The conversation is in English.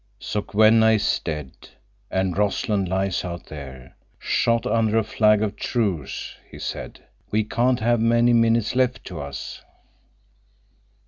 "Sokwenna is dead, and Rossland lies out there—shot under a flag of truce," he said. "We can't have many minutes left to us."